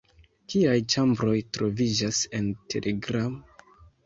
Kiaj ĉambroj troviĝas en Telegram?